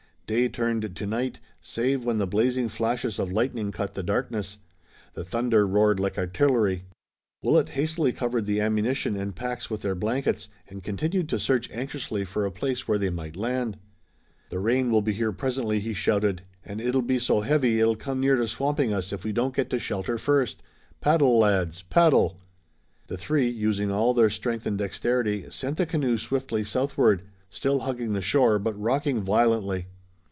Day turned to night, save when the blazing flashes of lightning cut the darkness. The thunder roared like artillery. Willet hastily covered the ammunition and packs with their blankets, and continued to search anxiously for a place where they might land. "The rain will be here presently," he shouted, "and it'll be so heavy it'll come near to swamping us if we don't get to shelter first! Paddle, lads! paddle!" The three, using all their strength and dexterity, sent the canoe swiftly southward, still hugging the shore, but rocking violently.